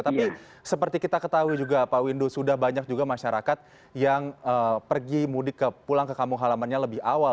tapi seperti kita ketahui juga pak windu sudah banyak juga masyarakat yang pergi mudik pulang ke kampung halamannya lebih awal